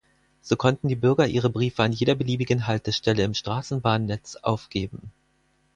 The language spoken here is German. So konnten die Bürger ihre Briefe an jeder beliebigen Haltestelle im Straßenbahnnetz aufgeben.